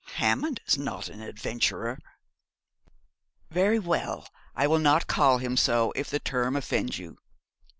'Hammond is not an adventurer.' 'Very well, I will not call him so, if the term offends you.